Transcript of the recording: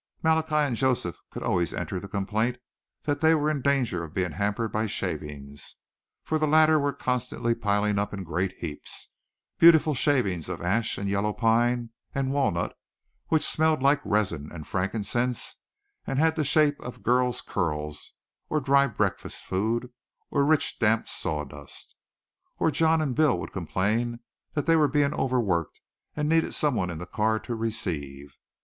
Malachi and Joseph could always enter the complaint that they were in danger of being hampered by shavings, for the latter were constantly piling up in great heaps, beautiful shavings of ash and yellow pine and walnut which smelled like resin and frankincense and had the shape of girl's curls or dry breakfast food, or rich damp sawdust. Or John and Bill would complain that they were being overworked and needed someone in the car to receive.